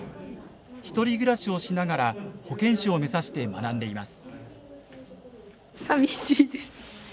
１人暮らしをしながら保健師を目指して学んでいます。